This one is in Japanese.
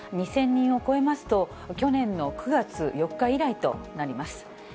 ２０００人を超えますと、去年の９月４日以来となります。